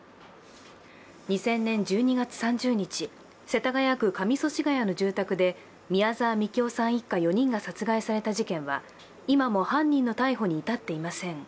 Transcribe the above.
２０００年１２月３０日世田谷区上祖師谷の住宅で宮沢みきおさん一家４人が殺害された事件は今も犯人の逮捕に至っていません。